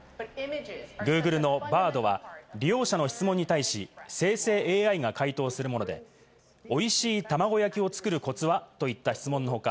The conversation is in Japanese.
ＧｏｏｇｌｅのＢａｒｄは、利用者の質問に対し、生成ＡＩが回答するもので、おいしい卵焼きを作るコツは？